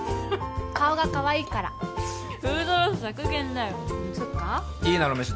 顔がかわいいからフードロス削減だよスッカキイナの飯